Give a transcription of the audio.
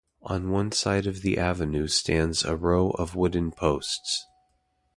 On one side of the avenue stands a row of wooden posts.